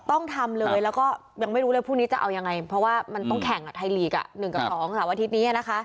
ต้องทำเลยแล้วก็ยังไม่รู้เลยพรุ่งนี้จะเอายังไงเพราะว่ามันต้องแข่งไทยลีก๑กับ๒เสาร์อาทิตย์นี้นะคะ